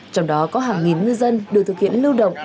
trong đó có hàng nghìn ngư dân được thực hiện lưu động